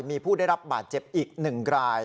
มีผู้ได้รับบาดเจ็บอีก๑ราย